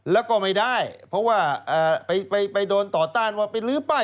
แล้วก็ไม่ได้เพราะว่าไปโดนต่อต้านว่าไปลื้อป้าย